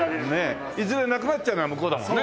いずれなくなっちゃうのは向こうだもんね。